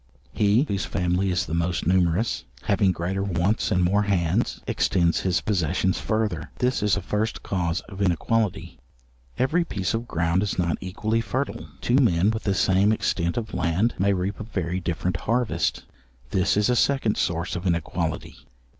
He, whose family is the most numerous, having greater wants and more hands, extends his possessions further; this is a first cause of inequality.—Every piece of ground is not equally fertile; two men with the same extent of land, may reap a very different harvest; this is a second source of inequality.